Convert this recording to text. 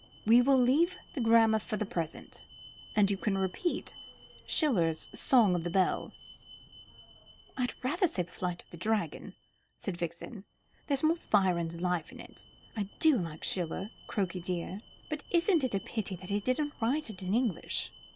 "We will leave the grammar for the present, and you can repeat Schiller's Song of the Bell." "I'd rather say the Fight with the Dragon," said Vixen; "there's more fire and life in it. I do like Schiller, Crokey dear. But isn't it a pity he didn't write it in English?"